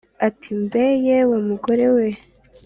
ati mbe yewe mugore we